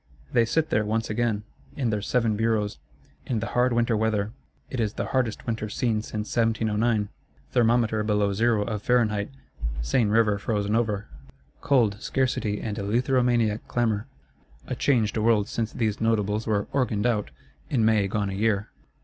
They sit there once again, in their Seven Bureaus, in the hard winter weather: it is the hardest winter seen since 1709; thermometer below zero of Fahrenheit, Seine River frozen over. Cold, scarcity and eleutheromaniac clamour: a changed world since these Notables were "organed out," in May gone a year!